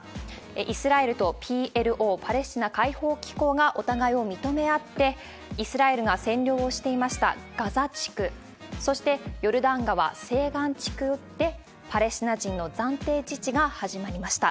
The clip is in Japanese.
イスラエルとＰＬＯ・パレスチナ解放機構がお互いを認め合って、イスラエルが占領をしていましたガザ地区、そして、ヨルダン川西岸地区でパレスチナ人の暫定自治が始まりました。